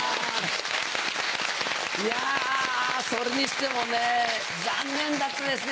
いやそれにしてもね残念だったですね